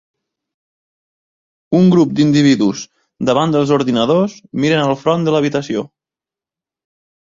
Un grup d'individus davant dels ordinadors miren al front de l'habitació.